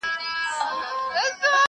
پاڼه یم د باد په تاو رژېږم ته به نه ژاړې.!